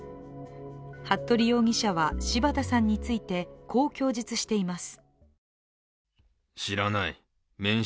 服部容疑者は柴田さんについてこう供述しています。